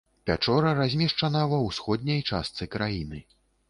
Пячора размешчана ва ўсходняй частцы краіны.